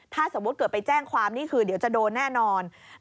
ถ้าสมมุติเกิดไปแจ้งความนี่คือเดี๋ยวจะโดนแน่นอน